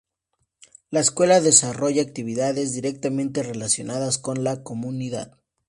La escuela desarrolla actividades directamente relacionadas con la comunidad.